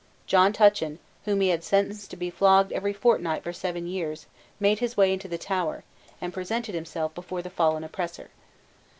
John Tutchin, whom he had sentenced to be flogged every fortnight for seven years, made his way into the Tower, and presented himself before the fallen oppressor.